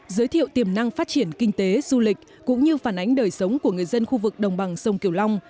giới thiệu tiềm năng phát triển kinh tế du lịch cũng như phản ánh đời sống của người dân khu vực đồng bằng sông kiều long